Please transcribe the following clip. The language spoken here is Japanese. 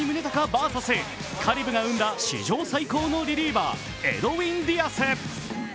ＶＳカリブが生んだ史上最高のリリーバーエドウィン・ディアス。